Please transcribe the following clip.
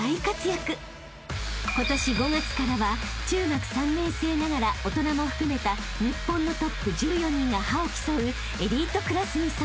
［今年５月からは中学３年生ながら大人も含めた日本のトップ１４人が覇を競うエリートクラスに参戦］